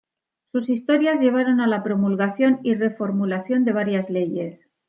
Sus historias llevaron a la promulgación y reformulación de varias leyes.